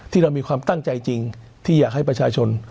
ที่เรามีความตั้งใจจริงที่อยากให้ประชาชน